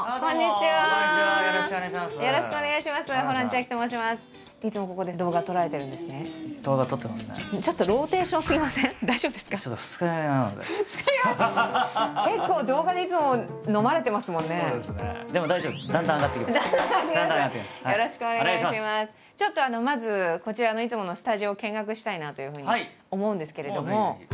ちょっとまずこちらのいつものスタジオを見学したいなというふうに思うんですけれども。